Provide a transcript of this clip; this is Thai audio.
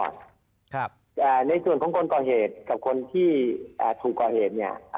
ในส่วนคนก่อเหตุกับคนที่ถูก่อเหตุเนี่ย